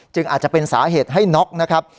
อาจจะเป็นสาเหตุให้น็อกนะครับ